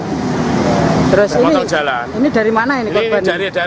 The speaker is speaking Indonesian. terus ini dari mana ini korban